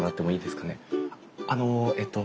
あのえっと